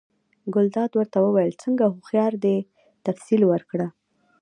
ګلداد ورته وویل: څنګه هوښیار دی، تفصیل ورکړه؟